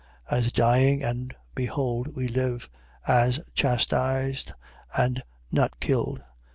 As dying and behold we live: as chastised and not killed: 6:10.